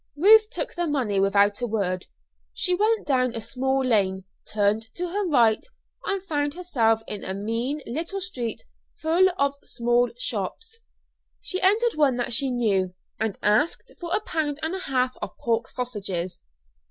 Ruth took the money without a word. She went down a small lane, turned to her right, and found herself in a mean little street full of small shops. She entered one that she knew, and asked for a pound and a half of pork sausages.